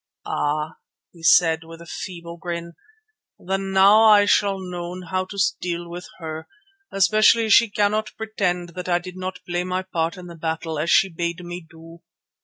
"Ah!" he said with a feeble grin, "then now I shall know how to deal with her, especially as she cannot pretend that I did not play my part in the battle, as she bade me do.